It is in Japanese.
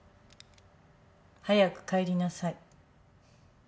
早く帰りなさい。